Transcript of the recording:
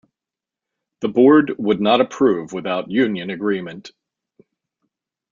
The Board would not approve without union agreement.